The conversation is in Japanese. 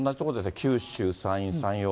九州、山陰、山陽。